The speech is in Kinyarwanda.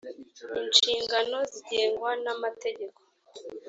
inshingano zigengwa n’amategeko .